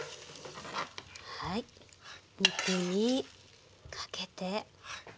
はい肉にかけて。